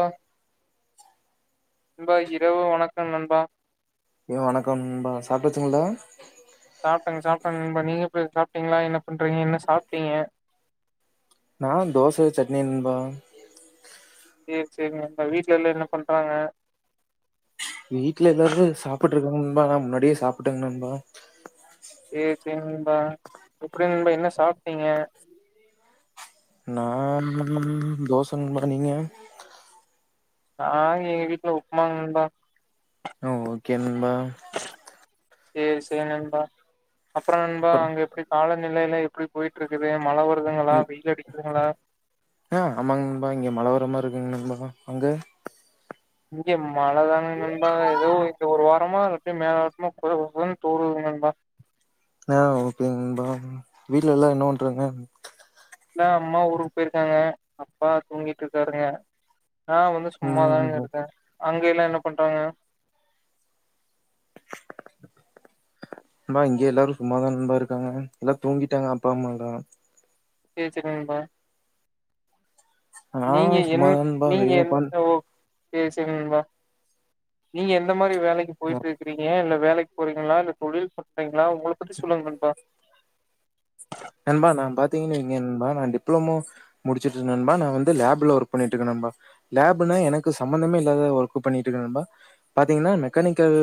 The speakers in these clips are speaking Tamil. அ நண்பா இரவு வணக்கம் நண்பா ஏ வணக்கம் நண்பா சாப்ட்டாச்சுங்ளா சாப்ட்டங் சாப்ட்டங் நண்பா நீங்க எப்டி சாப்ட்டீங்ளா என்ன பண்றீங்க என்ன சாப்ட்டீங்க நா தோச சட்னி நண்பா சேரி சேரிங் நண்பா வீட்ல எல்லா என்ன பண்றாங்க வீட்ல எல்லாருமே சாப்புட்டு இருக்காங்க நண்பா நா முன்னாடியே சாப்ட்டங் நண்பா சேரி சேரி நண்பா எப்டி நண்பா என்ன சாப்ட்டீங்க நா நம் தோச நண்பா நீங்க நா எங்க வீட்ல உப்மாங் நண்பா அ ஓகே நண்பா சேரி சேரி நண்பா அப்றோ நண்பா அங்க எப்டி கால நிலையெல்லா எப்டி போயிட்டு இருக்குது மழ வருதுங்களா உம் வெயில் அடிக்குதுங்களா ஆ அமாங் நண்பா இங்க மழை வர்ர மாரி இரு ஏங் நண்பா அங்க இங்கே மழைதானுங்க நண்பா எதோ இந்த ஒரு வாரமா [unintelligible] மேலோட்டமா கொத கொதனு தூருதுங்க நண்பா ஆ ஓகேங் நண்பா வீட்ல எல்லாரு என்ன பாண்றாங்க என்ன அம்மா ஊருக்கு போயிருக்காங்க அப்பா தூங்கிட்டு இருக்காருங்க நா வந்து ம் சும்மாதாங்க இருக்க அங்க எல்லா என்ன பண்றாங்க நா இங்க எல்லாரு சும்மாதா நண்பா இருக்காங்க எல்லா தூங்கிட்டாங்க அப்பா அம்மால்லா சேரி சேரிங் நண்பா நா நீங்க என் சும்மாதா நண்பா நீங்க வெளிய உக்காந் எந்த ஊ சேரி சேரிங் நண்பா நீங்க எந்த மாரி வேலைக்கு ஆ போயிட்டு இருக்கீங்க இல்ல வேலைக்கு போறீங்ளா இல்ல தொழில் பண்றீங்ளா உங்கள பத்தி சொல்லுங்க நண்பா டிப்ளோமோ முடிச்சிட்டு நண்பா நா வந்து லேப்ல ஒர்க் பண்ணிட்டு இருக்க நண்பா லேப்னா எனக்கு சம்மந்தமே இல்லா த ஒர்க் பண்ணிட்டு இருக்க நண்பா பாத்தீங்கனா மெக்கானிக்கல்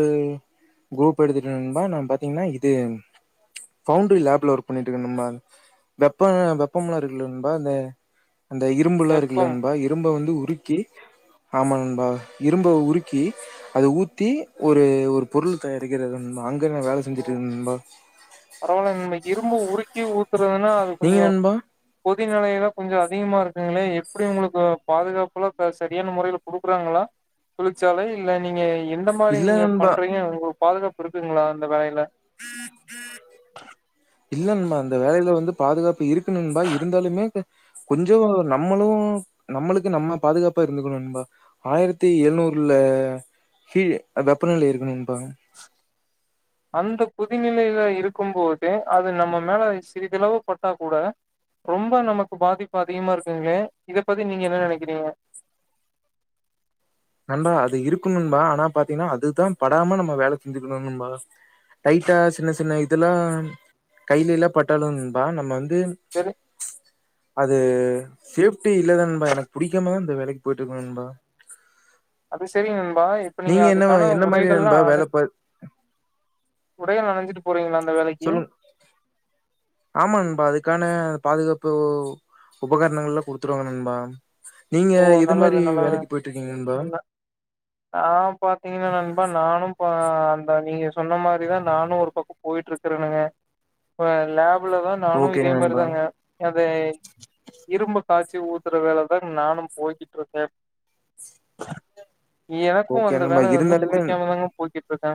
குரூப் எடுத்துட்டு நண்பா நா பாத்தீங்கனா இது பவுண்டரி லேப்ல ஒர்க் பண்ணிட்டு இருக்க நண்பா வெப்ப வெப்பமல்லா இருக்கல்ல நண்பா இந்த அந்த இரும்பெல்லா இருக்கல்ல வெப்பம் நண்பா இரும்ப வந்து உருக்கி ஆமா நண்பா இரும்ப உருக்கி அத ஊத்தி ஒரு ஒரு பொருள் தயாரிக்கிறது அங்க நா வேல செஞ்சுட்டு இருக்க நண்பா பரவாலயே நண்பா இரும்ப உருக்கி ஊத்துறதுனா அது நீங்க கொஞ்சோ நண்பா கொதி நிலையெல்லா கொஞ்சோ அதிகமா இருக்குங்ளே எப்டி உங்களுக்கு பாதுகாப்பெல்லா சரியான முறைல குடுக்கறாங்ளா தொழிற்சாலை இல்ல நீங்க எந்த மாரி இல்ல நீங்க நண்பா பண்றீங்க உங்களுக்கு பாதுகாப்பு இருக்குங்ளா அந்த வேலைல இல்ல நண்பா அந்த வேலைல வந்து பாதுகாப்பு இருக்கு நண்பா இருந்தாலுமே கொஞ்சோ நம்மளு நம்மளுக்கு நம்ம பாதுகாப்பா இருந்துக்கணு நண்பா ஆயிரத்தி எழ்நூ ர்ல ஹீ வெப்பநிலை இருக்கு நண்பா அந்த கொதிநிலையில இருக்கும்போதே அது நம்ம மேல சிறிதளவு பட்டா கூட ரொம்ப நமக்கு பாதிப்பு அதிகமா இருக்குங்ளே இத பத்தி நீங்க என்ன நெனக்ககிறீங்க நண்பா அது இருக்கு நண்பா ஆனா பாத்தீங்கன்னா அதுதா படாம நம்ம வேலை செஞ்சுக்கணு நண்பா டைட்டா சின்ன சின்ன இதெல்லா கையில எல்லா பட்டாலு நண்பா நம்ம வ ந்து சரி அது சேஃப்டி இல்லதா நண்பா எனக்கு புடிக்காமதா இந்த வேலைக்கு போயிட்டு இருக்க நண்பா அது செரிங் நண் பா இப்ப நீங்க என்ன அதுக்கான என்ன மாரி உடைகள்ல்லா நண்பா வேலை அடுக் பா உடைகள் அணிஞ்சிட்டு போறீங்ளா நண்பா சொல்லுங் ஆமா நண்பா அதுக் கான பாதுகாப்பு உபகரணங்கள் எல்லா குடுத்துருவாங்க நண்பா நீங்க ஓ எது நல்லது மாரி நல்லது வேலைக்கு போயிட்ருக்கீங்க நண்பா? நான் பாத்தீங்கன்னா நண்பா நானும் பா நீங்க சொன்ன மாரிதான் நானும் ஒரு பக்கம் போயிட்டு இருக்கரனுங்க லேப் ல தான் நானும் இதே ஓகேங்க நண்பா மாரிதாங்க அத இரும்ப காட்சி ஊத்துற வேலைதான் நானும் போய்கிட்டு இருக்கே எனக்கு ஓகே அந்த நண்பா வேலை வந்து இருந்தாலுமே புடிக்காமதாங்க போய்கிட்டு இருக்கே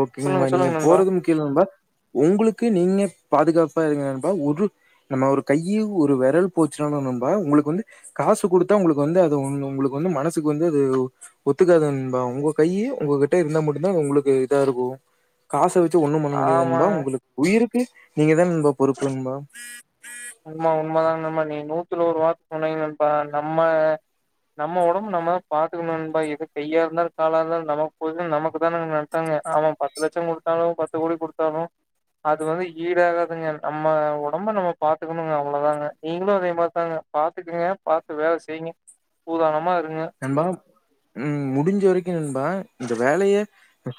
ஓகே சொல்லுங்க நண்பா நீங்க சொல்லுங்க நண்பா போறது முக்கியம் இல்ல நண்பா உங்களுக்கு நீங்க பாதுகாப் ப இருங்க நண்பா ஒரு நம்ம ஒரு கை ஒரு விரல் போச்சுனாலும் நண்பா உங்களுக்கு வந்து காசு கொடுத்தா உங்களுக்கு வந்து அது உங்களுக்கு வந்து மனசுக்கு வந்து அது ஒத்துக்காது நண்பா உங்க கை உங்ககிட்ட இருந்த மட் டும் நண்பா உங்களுக்கு இதா இருக்கு காச வச்சு ஒண்ணும் பண்ண முடியது ஆமா நண்பா உங்களுக்கு உயிருக் கு நீங்க தா நண்பா பொறுப்பு நண்பா நூத்தல ஒரு வார்த்த சொன்னிங்க நண்பா நம்ம நம்ம உடம்பு நம்மதான் பாத்துக்கணும் நண்பா எது கையா இருந்தாலும் காலா இருந்தாலும் நமக்கு போய் நமக்கு தான நட்டங்க அவன் பத்து லட்சம் கொடுத்தாலு பத்து கோடி கொடுத்தாலு அது வந்து ஈடாகாதுங்க நம்ம உடம்ப நம்ம பாத்துக்கணும்ங்க அவ்வளவுதாங்க நீங்களு அதே மாரி தாங்க பாத்துக்கங்க பாத்து வேல செய்ங்க சூதனமா இருக் நண்பா ம் முடிஞ்ச வரைக்கு நண்பா இந்த வேலைய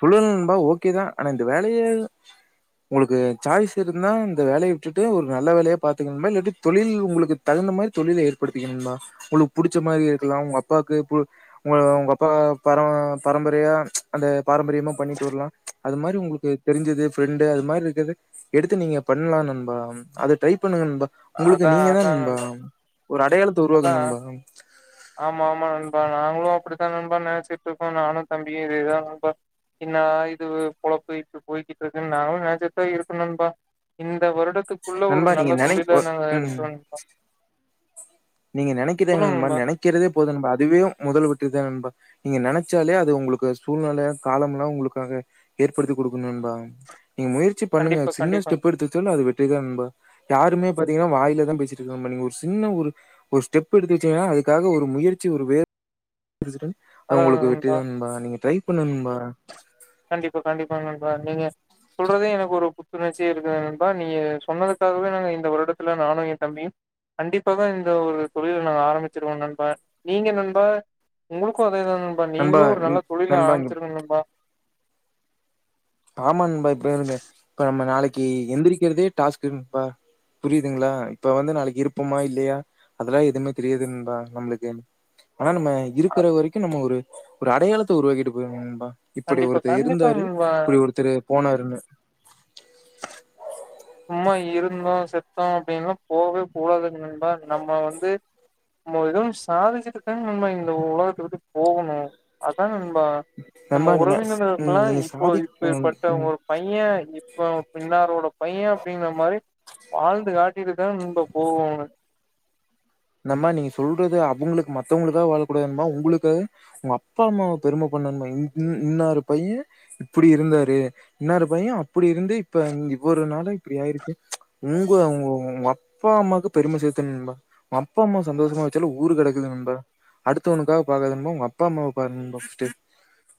சொல்லல நண்பா ஓகே தான் ஆனா இந்த வேலைய உங்களுக்கு சாய்ஸ் இருந்தா இந்த வேலைய விட்டுட்டு ஒரு நல்ல வேலையா பாத்துக்கங்க நண்பா இல்லாட்டி தொழில் உங்களுக்கு தகுந் த மாரி தொழில ஏற்படுத்திக்ங்க நண்பா உங்களுக்கு புடிச்ச மாரி இருக்கலா உங்க அப் ப்பாக்கு பு உ உங்க அப்பா பரம்ப பரம்பரையா அந்த பாரம்பரியமா பண்ணிட்டு வரலா அது மாரி உங்களுக்கு தெரிஞ்சது ஃபிரெண்டு அது மாரி இருக்குறத எடுத்து நீங்க பண்லா நண்பா அத ட்ரை பண்ணுங்க நண்பா உங்களுக்கு அதான் நீங்க தான் அதான் நண்பா ஒரு அடையாளத்த உருவாக்குங்க அதான் நண்பா ஆமா ஆமா நண்பா நாங்களு அப்படித்தா நண்பா நினைச்சிட்டு இருக்கோ நானும் தம்பியும் இதெ தா நண்பா என்ன இது பொழப்பு இப்டி போய்க்கிட்டு இருக்குன்னு நானும் நெனச்சுட்டு தா இருக்கே நண்பா இந்த வருடத்துக்குள்ள ஒரு நண்பா நீங்க நல்ல நெனை தொழில ஒ நாங்க ம் எடுத்துருவோ நண்பா நீங்க நினைக்கிறீங்க நண்பா நினைக்கிறதே போதும் நண்பா அதுவே முதல் வெட் ற்றி தான் நண்பா நீங்க நெனச்சாலே அது உங்களுக்கு சூழ்நிலை காலம்லா உங்களுக்காக ஏற்படுத்தி கொடுக்கு நண்பா நீங்க முயற்சி பண்ணுங்க கண்டிப்பா சின்ன கண்டிப்பா ஸ்டெப் எடுத்து வச்சாலு அது வெற்றிதா நண்பா யாருமே பாத்தீங்கன்னா வாயில தான் பேசிட்டு இருக்காங்க நண்பா நீங்க ஒரு சின்ன ஒரு ஒரு ஸ்டெப் எடுத்து வச்சிங்க அதுக்காக ஒரு முயற்சி ஒரு வேற உங்களுக்கு வெற்றிதா நண்பா நீங்க ட்ரை பண்ணுங்க நண்பா கண்டிப்பா கண்டிப்பா நண்பா நீங்க சொல்றதே எனக்கு ஒரு புத்துணர்ச்சி இருக்குது நண்பா நீங்க சொன்னதுக்காகவே நாங்க இந்த வருடத்துல நானு என் தம்பியும் கண்டிப்பாகா இந்த ஒரு தொழில நாங்க ஆரம்பிச்சிருவோம் நண்பா நீங்க நண்பா உங்களுக்கு அ நண்பா நீங்களு ஒரு நல்ல ம் தொழில நண்பா இங்க ஆரம்பிச்சிருங்க நண்பா ஆமா நண்பா இப்ப இருங்க இப்ப நம்ம நாளைக்கு எந்திரிக்கிறதே டாஸ்க் நண்பா புரியுதுங்களா இப்ப வந்து நாளைக்கு இருப்போமா இல்லையா அதெல்லா எதுவுமே தெரியாது நண்பா நம்மளுக்கு ஆனா நம்ம இருக்குற வரைக்கும் நம்ம ஒரு ஒரு அடையாளத்த உருவாக்கிட்டு போயிறணு நண்பா இப்படி கண்டிப்பா ஒருத்தர் கண்டிப்பா இருந்தாரு நண்பா. இப்படி ஒருத்தர் போனாருன்னு [unintelligible] சும்மா இருந்தோம் செத்தோம் அப்படின்னு போகவே கூடாதுங்க நண்பா நம்ம வந்து நம்ப ஏதாது சாதிச்சிட்டு தான் நம்ம இந்த உலகத்த விட்டு போகணும் அதா நண்பா நம்ம நண்பா நீங்க ஸ்- உறவினர்களுக்கு ம் எல்லா நீங்க இப்போ சாதிக் ம் இப்படிப்பட்ட ம் ஒரு பையன் இப்ப இன்னாரோட பைய அப்படிங்கற மாரி வாழ்ந்து காட்டிட்டு தான் நண்பா போவணு நண்பா நீங்க சொல்றது அவங்களுக்கு மத்தவங்களுக்காக வாழக்கூடாது நண்பா உங்களுக்காக உங்க அப்பா அம்மாவ பெருமப் ப பண்ணணு இன் இன் இன்னார பைய இப்படி இருந்தாரு இன்னார பைய அப் இப்படி இருந்து இப்ப இவ்வொருனால அப்புடியாயிருக்கு உங்க உங்க உங்க அப்பா அம்மாக்கு பெருமை சேர்த்தணும் நண்பா உங்க அப்பா அம்மா சந்தோஷமா வச்சாலு ஊரு கட ம் நண்பா அடுத்தவனுக்காக பாக்காத நண்பா உங்க அப்பா அம்மாவ பாரு நண்பா ஃபர்ஸ்ட்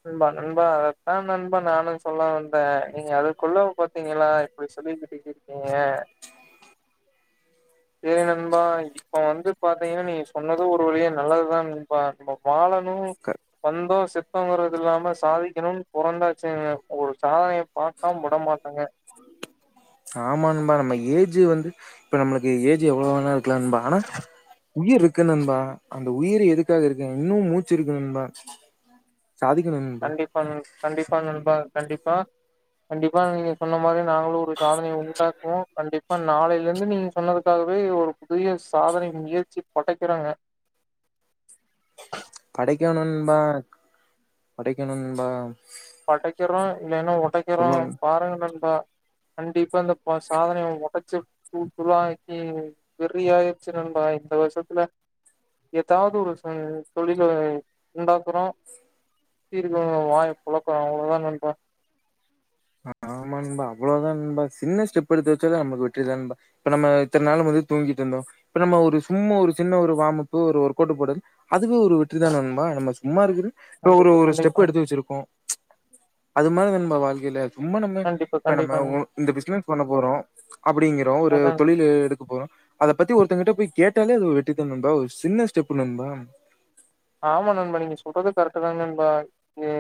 நண்பா நண்பா அதத்தா நண்பா நானு சொல்ல வந்த நீங்க அதுக்குள்ள பாத்திங்ளா எப்பிடி சொல்லி ட்டிங்க சேரி நண்பா இப்ப வந்து பாத்திங்னா நீங்க சொன்னது ஒரு வழிய நல்லதுதா நண்பா நம்ம வாழ னு க வந்தோ செத் தூங்கறது இல்லாம சாதிக்கணுன் பொறந்தாச்சுங்க ஒரு சாதனைய பாக்காம விட மாட்டங்க ஆமா நண்பா நம்ம ஏஜ் வந்து இப்ப நம்மளுக்கு ஏஜ் எவ்ளோ வேணா இருக்லா நண்பா ஆனா உயிர் இருக்கு நண்பா அந்த உயிர் எதுக்காக இருக்கு இன்னு மூச்சு இருக்கு நண்பா சாதிக்கணு நண்பா கண்டிப்பா ந கண்டிப்பா நண்பா கண்டிப்பா கண்டிப்பா நீங்க சொன்ன மாதிரி நாங்களு ஒரு சாதனைய உண்டாக்குவோ கண்டிப்பா நாளைல இருந்து நீங்க சொன்னதுக்காகவே வே ஒரு புதிய சாதனை முயற்சி படைக்கிறோங்க படைக்கணு நண்பா படைக்கணு நண்பா படைக்கிறோ இல்லைனா ஒடைக்கிறோ சொல்லணு பாருங்க நண்பா கண்டிப்பா இந்த ப சாதனைய ஒடச்சி தூள் தூளாக்கி வெறியாயிருச்சு நண்பா இந்த வருஷத்துல எதாவுது ஒரு செ தொழில உண்டாக்குறோ சுத்தி இருக்கவங்க வாய பொளக்குறோ அவ்ளோ தா நண்பா ஆ ஆமா நண்பா அவ்ளோதா நண்பா சின்ன ஸ்டெப் எடுத்து வச்சாலே நமக்கு வெற்றி தா நண்பா இப்ப நம்ம இத்தன் நாள் வந்து தூங்கிட்ருந்தோ இப்ப நம்ம ஒரு சும்மா ஒரு சின்ன ஒரு வாமப்பு ஒரு ஒர்க்கவ்ட்டு போடு அதுவே ஒரு வெற்றி தான் நண்பா நம்ம சும்மா இருக்ற இப்ப ஒரு கண்டிப்பா ஒரு ஸ்டெப் கண்டிப்பா எடுத்து வச்சிருக்கோ அது மாரி நண்பா வாழ்க்கைல ரொம்ப நம்ம கண்டிப்பா இப்ப நம்ம கண்டிப்பா ஒ நண் இந்த பிசினஸ் பண்ண போறோ அப்டிங்கிறோ ஒரு அதா தொழிலு எடுக்க போறோ அத பத்தி ஒருத்தங் கிட்ட போய் கேட் ட்டாலே அது வெற்றிதா நண்பா ஒரு சின்ன ஸ்டெப்பு நண்பா ஆமா நண்பா நீங்க சொல்றது கரெக்ட்டு தா நண்பா எ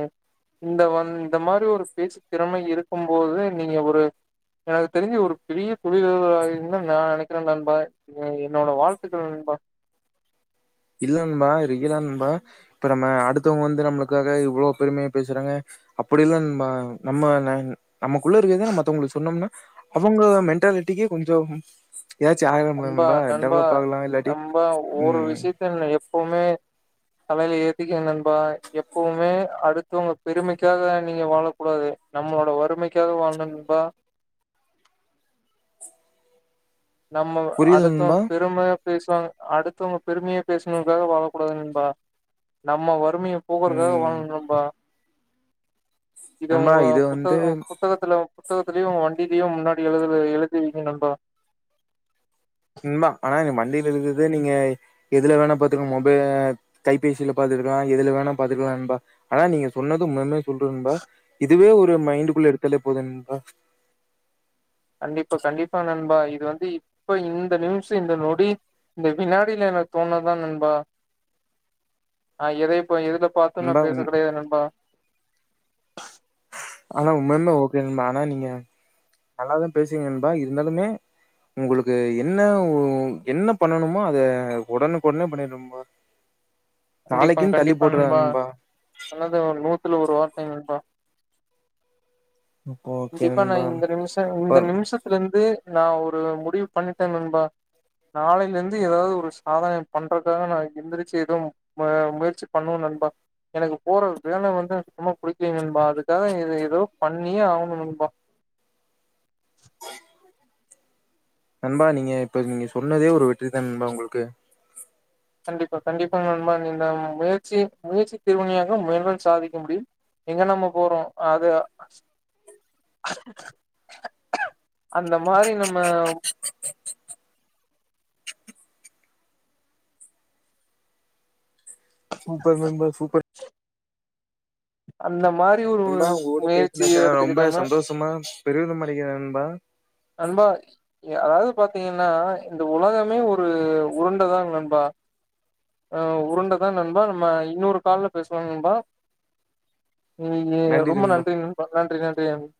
இந்த வந் இந்த மாரி ஒரு பேச்சு திறமை இருக்கும் போது நீங்க ஒரு எனக்கு தெரிஞ்சு ஒரு பெரிய தொழிலதிபராகுவிங்கன்தா நா நெனைக்கிற நண்பா எ என்னோட வாழ்த்துக்கள் ந ண்பா இல்ல நண்பா ரியலா நண்பா இப்ப நம்ம அடுத்தவங்க வந்து நம்மளுக்காக இவ்ளோ பெருமையா பேசுறாங்க அப்பிடி இல்ல நண்பா நம்ம ந நமக்குள்ள இருக்றத நா மத்தவங்ளுக்கு சொன்னம்னா அவுங்க மென்ட்டா லிட்டிக்கு கொஞ்சம் நண்பா நண்பா இல்லாட்டி நம்பா ஒரு ம் விஷயத்த ந எப்பமே தலைல ஏத்திக்க நண்பா எப்பவுமே அடுத்தவங்க பெருமைக்காக நீங்க வாழ கூடாது நம்மளோட வறுமைக்காக வாழனு நண்பா நம்ம புரியுது அடுத்தவ நண்பா பெரும பேசுவாங்க அடுத்தவங்க பெருமையை பேசுனுக்காக வாழகூடாது நண்பா நம்ம வ றுமைய போக்கறதுக்காக ம் வாழனு நண்பா இது நண்பா உங்க புத்தக வந்து புத்தகத்துல புத்தகத்துலயு வண்டிலயு முன்னாடி எழுதுல எழுதி வைங்க நண்பா ம்பா ஆனா எ வண்டி எழுதுது நீங்க எதுல வேணா பாத்துக்க மொபை கைபேசில பாத்துர்க்லா எதுல வேணா பாத்துர்க்லா ண்பா ஆனா நீங்க சொன்னது உம்யமே சொல்றன்பா இதுவே ஒரு மைண்டுகுள்ள எடுத்தலே போது நண்பா கண்டிப்பா கண்டிப்பா நண்பா இது வந்து இப்ப இந்த நிமிச இந்த நொடி இந்த வினாடில எனக்கு தோண்னதா நண்பா ஆ எதை இப்ப எதுல பாத்து நா நண்பா பேச கெடையாது நண்பா ஆனா உண்மயாலுமே ஓகே நண்பா ஆனா நீங்க நல்லாதா பேசிங்க நண்பா இருந்தாலுமே உங்களுக்கு என்ன ஒ என்ன பண்ணணுமோ அத ஒடனுக்கொடனே பண்ணிடு நண்பா கண்டிப்பா நாளைக்குன்னு தள்ளி கண்டிப்பா போட்டுறாத நண்பா சொன்னது நூத்துல ஒரு வார்த்தை நண்பா ஓகே கண்டிப்பா நா நண்பா. இந்த நிமிஷ இப்ப இந்த நிமிஷத்துல இந்து நா ஒரு முடிவு பண்ணிட்ட நண்பா நாளைல இந்து ஏதாவது ஒரு சாதனை பண்றதுக்காக நா எந்திரிச்சிது ம முயற்சி பண்ணுவ நண்பா எனக்கு போற வேல வந்து சுத்தமா புடிக்கல நண்பா அதுக்காக இது ஏதோ பண்ணியே ஆகணு நண்பா நண்பா நீங்க இப்ப நீங்க சொன்னதே ஒரு வெற்றிதான் நண்பா உங்களுக்கு கண்டிப்பா கண்டிப்பா நண்பா இந்த முயற்சி முயற்சி திருவினையாக்கும் முயன்றால் சாதிக்க முடியும் எங்க நம்ம போறோ அது அந்த மாரி நம்ம சூப்பர் நண்பா சூப்பர் அந்த மாரி ஒரு நண்பா உங்க கூட பேசினதுக்கு முயற்சிய எனக்கு ரொம்ப எடுத்துக்கிட்டம்னா சந்தோஷமா பெருமிதம் அடைக்கிறேன் நண்பா. அதாவ்து பாத்தீங்கன்னா இந்த உலகமே ஒரு உருண்டதாங் நண்பா ஆ உருண்ட தா நண்பா நம்ம இன்னொரு கால்ல பேசுவோ நண்பா நீ ரொம்ப நன்றி நன்பா நன்றி நன்றி நன்றி